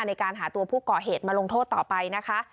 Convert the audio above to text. ในการหาตัวผู้ก่อเหตุมาลงโทษต่อไปนะคะ